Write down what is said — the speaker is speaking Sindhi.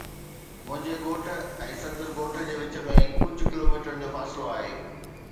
منهنجي ڳوٺ ۽ سندس ڳوٺ جي وچ ۾ ڪجهه ڪلوميٽرن جو فاصلو آهي.